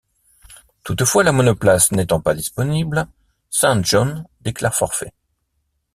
Toutefois, la monoplace n'étant pas disponible, St John déclare forfait.